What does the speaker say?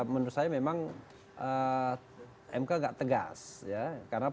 menurut saya memang mk agak tegas ya